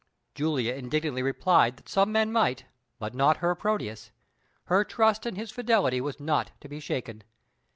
Julia indignantly replied that some men might, but not her Proteus. Her trust in his fidelity was not to be shaken.